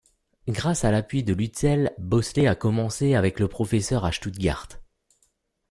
Grâce à l'appui de Lützel, Boslet a commencé avec le professeur à Stuttgart.